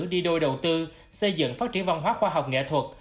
đi đôi đầu tư xây dựng phát triển văn hóa khoa học nghệ thuật